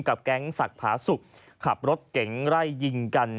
แก๊งศักดิ์ผาสุกขับรถเก๋งไล่ยิงกัน